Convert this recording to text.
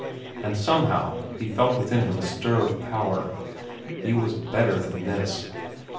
And, somehow, he felt within him a stir of power. He was better than this.